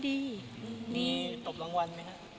ดีมีตบรางวัลไหมคะ